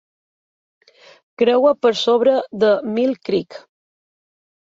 Creua per sobre de Mill Creek.